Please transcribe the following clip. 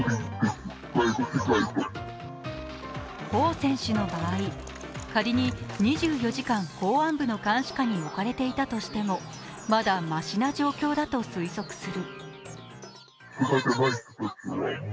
彭選手の場合、仮に２４時間公安部の監視下に置かれていたとしても、まだマシな状況だと推測する。